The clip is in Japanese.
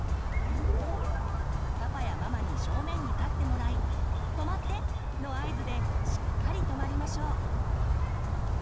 パパやママに正面に立ってもらい「止まって！」の合図でしっかり止まりましょう。